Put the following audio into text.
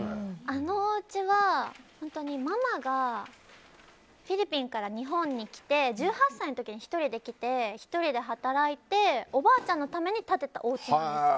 あのおうちはママがフィリピンから日本に１８歳の時に１人できて１人で働いておばあちゃんのために建てたおうちなんです。